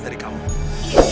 terima kasih dari kamu